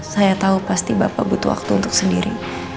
saya tahu pasti bapak butuh waktu untuk sendiri